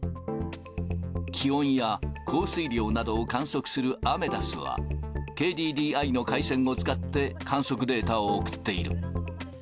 気温や降水量などを観測するアメダスは、ＫＤＤＩの回線を使って観測データを送っている。